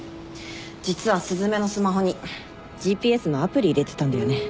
実は雀のスマホにＧＰＳのアプリ入れてたんだよね。